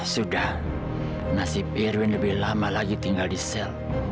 sudah nasib irwin lebih lama lagi tinggal di sel